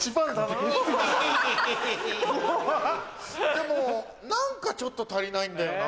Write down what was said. でも何かちょっと足りないんだよな。